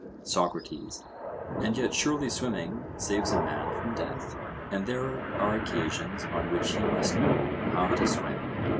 SOCRATES: And yet surely swimming saves a man from death, and there are occasions on which he must know how to swim.